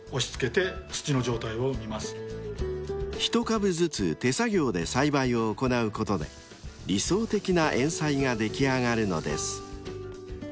［１株ずつ手作業で栽培を行うことで理想的なエンサイが出来上がるのです］